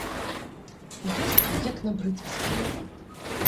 І гострий, як на бритві сталь.